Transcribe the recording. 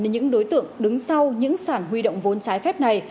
những đối tượng đứng sau những sản huy động vốn trái phép này